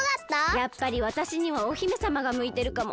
やっぱりわたしにはお姫さまがむいてるかも。